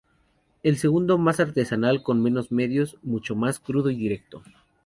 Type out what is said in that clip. El segundo más artesanal, con menos medios, mucho más crudo y directo.